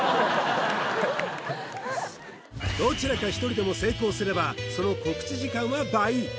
どちらか１人でも成功すればその告知時間は倍！